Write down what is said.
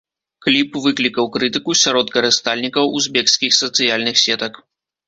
Кліп выклікаў крытыку сярод карыстальнікаў узбекскіх сацыяльных сетак.